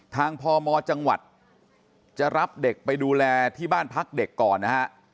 พมจังหวัดจะรับเด็กไปดูแลที่บ้านพักเด็กก่อนนะฮะ